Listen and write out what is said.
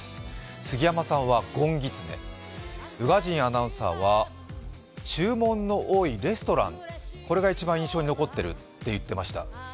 杉山さんは「ごんぎつね」、宇賀神アナウンサーは「注文の多いレストラン」これが一番印象に残ってるって言ってました。